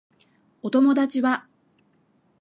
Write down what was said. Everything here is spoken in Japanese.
お友達は